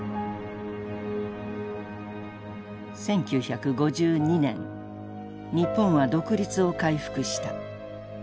１９５２年日本は独立を回復した。